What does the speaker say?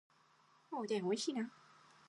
おでん美味しいな